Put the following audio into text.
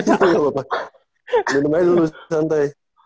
dengan main dulu santai